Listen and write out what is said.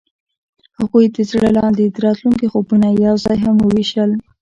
هغوی د زړه لاندې د راتلونکي خوبونه یوځای هم وویشل.